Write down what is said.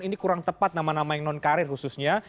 ini kurang tepat nama nama yang non karir khususnya